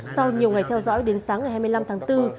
sau nhiều ngày theo dõi đến sáng ngày hai mươi năm tháng bốn